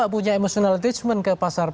punya emotional attachment ke pasar